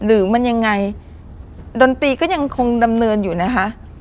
หรือมันยังไงดนตรีก็ยังคงดำเนินอยู่นะคะ